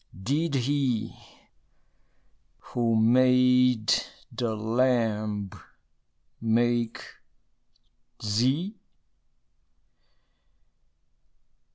Did he who made the lamb make thee?